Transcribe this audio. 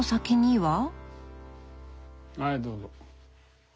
はいどうぞ。